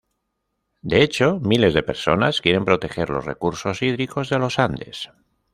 De hecho, miles de personas quieren proteger los recursos hídricos de los Andes.